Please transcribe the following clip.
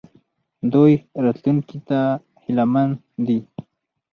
دوی راتلونکي ته هیله مند دي.